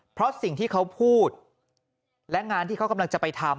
เพราะสิ่งที่เขาพูดและงานที่เขากำลังจะไปทำ